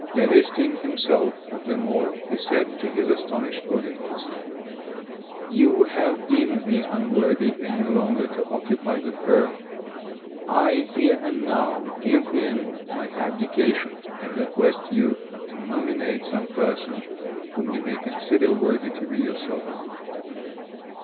Divesting himself of them all, he said to his astonished auditors, "You have deemed me unworthy any longer to occupy the throne. I here and now give in my abdication, and request you to nominate some person whom you may consider worthy to be your sovereign."